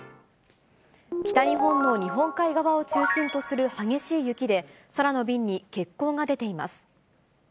北日本の日本海側を中心とする激しい雪で、空の便に欠航が出ています。